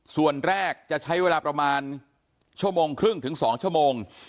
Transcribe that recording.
ส่วนแรกจะใช้เวลาประมาณชั่วโมงครึ่งถึง๒ชั่วโมง